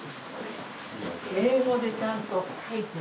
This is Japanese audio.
英語でちゃんと書いて。